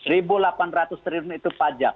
rp satu delapan ratus triliun itu pajak